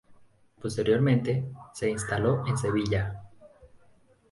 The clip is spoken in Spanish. Posteriormente, se instaló en Sevilla.